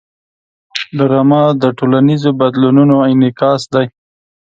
ډرامه د ټولنیزو بدلونونو انعکاس دی